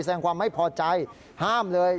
แสดงความไม่พอใจห้ามเลย